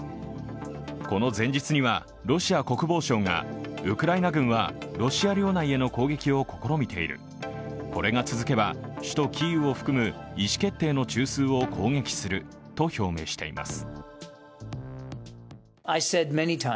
この前日にはロシア国防省がウクライナ軍はロシア領内への攻撃を試みているこれが続けば、首都キーウを含む意思決定の中枢を攻撃すると表明しています。